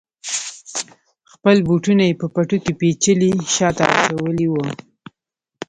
خپل بوټونه یې په پټو کې پیچلي شاته اچولي وه.